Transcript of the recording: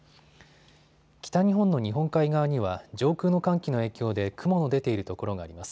北日本の日本海側には上空の寒気の影響で雲の出ている所があります。